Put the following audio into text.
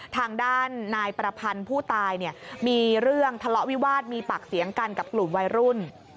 ทางด้านนายประพันธ์ผู้ตายเนี่ยมีเรื่องทะเลาะวิวาสมีปากเสียงกันกับกลุ่มวัยรุ่น